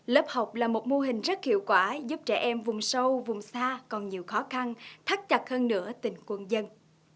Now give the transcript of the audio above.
lớp học là một mô hình rất hiệu quả giúp trẻ em vùng sâu vùng xa còn nhiều khó khăn thắt chặt hơn nữa tình quân dân